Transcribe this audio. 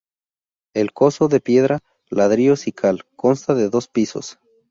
El coso, de piedra, ladrillo y cal, consta de dos pisos.